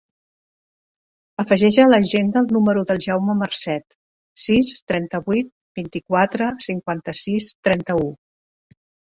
Afegeix a l'agenda el número del Jaume Marcet: sis, trenta-vuit, vint-i-quatre, cinquanta-sis, trenta-u.